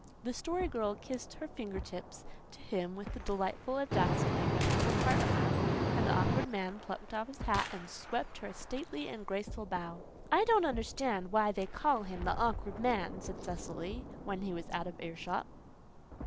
The Story Girl kissed her fingertips to him with the delightful audacity which was a part of her; and the Awkward Man plucked off his hat and swept her a stately and graceful bow. "I don't understand why they call him the awkward man," said Cecily, when he was out of earshot.